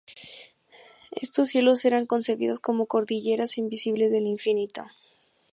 Estos cielos eran concebidos como "cordilleras invisibles del infinito".